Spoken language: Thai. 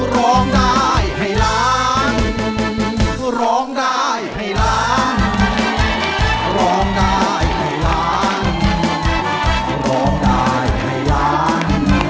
ร้องได้ไทยร้าน